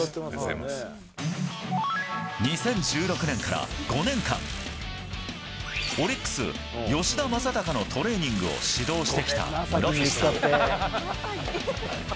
２０１６年から５年間オリックス、吉田正尚のトレーニングを指導してきた室伏さん。